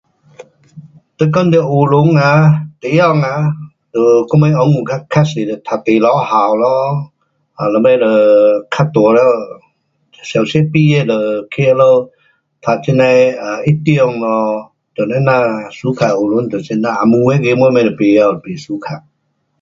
um 你讲到学堂 um 地方 um 就什么温故较多是小读第三小咯，了以前就较大了 um 小学毕业了去那里读这那的一中咯，就是那 suka 学堂就怎样，英文那个我们都不会，不 suka